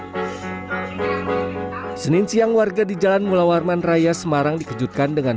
hai sening sening siang warga di jalan mula warman raya semarang dikejutkan dengan